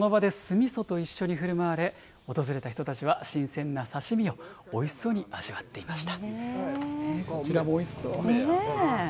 ぼらの子はその場で酢みそと一緒にふるまわれ、訪れた人たちは、新鮮な刺身をおいしそうに味わっていました。